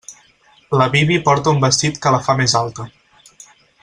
La Bibi porta un vestit que la fa més alta.